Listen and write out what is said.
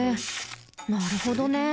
なるほどね。